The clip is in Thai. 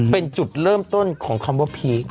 เป็นจุดเริ่มต้นของคำว่าพีค